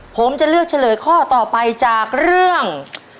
ผมจะเลือกเฉลยข้อต่อไปจากเรื่อง